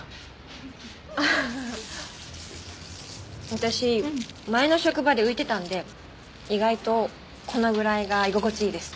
私前の職場で浮いてたんで意外とこのぐらいが居心地いいです。